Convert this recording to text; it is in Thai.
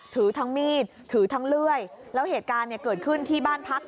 ถือทั้งเลื่อยแล้วเหตุการณ์เกิดขึ้นที่บ้านพัก